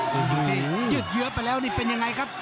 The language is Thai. ดูซิกึ่งไปทั้งเยอะแล้วเป็นยังไงครับ